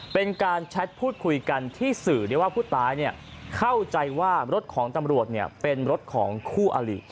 เป็นการแชทพูดคุยกันที่สื่อว่าผู้ตายเข้าใจว่ารถของตำรวจเป็นรถของคู่อลิ